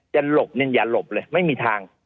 จะหลบอย่าหลบเลยไม่มีทาง